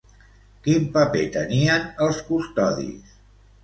Quin paper tenien els custodis?